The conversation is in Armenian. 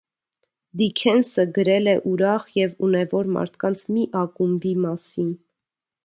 Դիքենսը գրել է ուրախ և ունևոր մարդկանց մի ակումբի մասին։